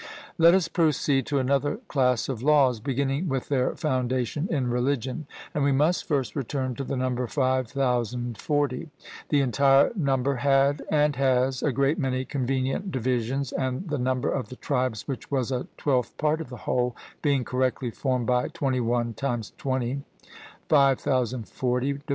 Let us proceed to another class of laws, beginning with their foundation in religion. And we must first return to the number 5040 the entire number had, and has, a great many convenient divisions, and the number of the tribes which was a twelfth part of the whole, being correctly formed by 21 x 20 (5040/(21 x 20), i.